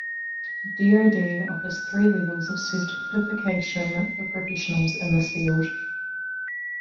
DoD offers three levels of certification for professionals in this field.